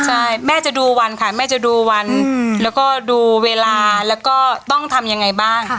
ใช่แม่จะดูวันค่ะแม่จะดูวันแล้วก็ดูเวลาแล้วก็ต้องทำยังไงบ้าง